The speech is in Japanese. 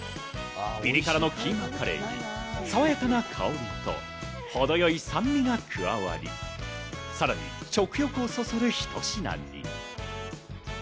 ピリ辛のキーマカレーにさわやかな香りと程よい酸味が加わり、さらに食欲をそそるひと品に。